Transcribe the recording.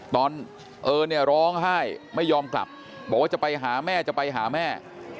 ตอนเออเนี่ยร้องไห้ไม่ยอมกลับบอกว่าจะไปหาแม่จะไปหาแม่